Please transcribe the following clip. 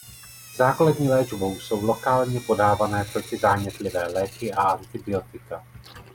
Základní léčbou jsou lokálně podávané protizánětlivé léky a antibiotika.